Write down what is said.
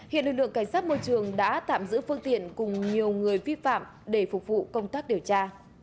hiện lực lượng cảnh sát môi trường đã tạm giữ phương tiện cùng nhiều người vi phạm để phục vụ công tác điều tra